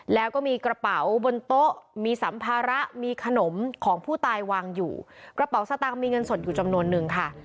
แล้วก็มีกระเป๋าบนโต๊ะมีสัมภาระมีขนมของผู้ตายวางอยู่กระเป๋าสตางค์มีเงินสดอยู่จำนวนนึงค่ะ